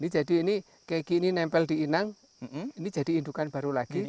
jadi ini keki ini nempel di inang ini jadi indukan baru lagi